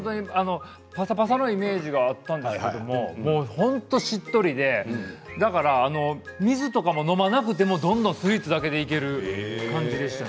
ぱさぱさのイメージがあったんですが本当にしっとりでだから、水とか飲まなくてもどんどんスイーツだけでいける感じでした。